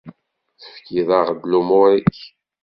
Tefkiḍ-aɣ-d lumuṛ-ik.